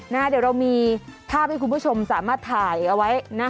เดี๋ยวเรามีภาพให้คุณผู้ชมสามารถถ่ายเอาไว้นะ